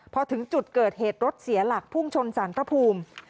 พอถึงจุดเกิดเหตุรถเสียหลักพุ่งชนสารพระภูมิ